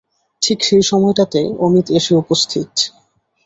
ঠিক সেই সময়টাতে অমিত এসে উপস্থিত।